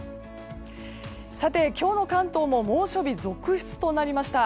今日の関東も猛暑日続出となりました。